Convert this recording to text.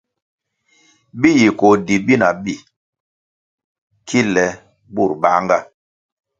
Bi yi koh di bina bi kilè lè burʼ banʼnga.